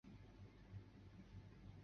春日町为爱知县西部西春日井郡的町。